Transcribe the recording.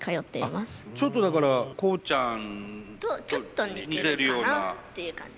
ちょっとだからコウちゃん。とちょっと似てるかなっていう感じ。